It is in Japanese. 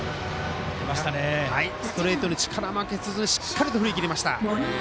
ストレートに力負けせずしっかりと振り切りました。